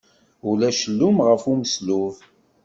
Ulac llum ɣef umeslub.